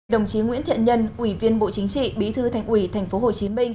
đồng chí nguyễn thiện nhân ủy viên bộ chính trị bí thư thành ủy tp hcm